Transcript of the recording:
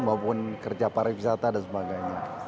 maupun kerja pariwisata dan sebagainya